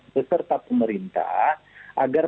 beserta pemerintah agar